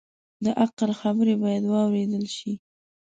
د عقل خبرې باید واورېدل شي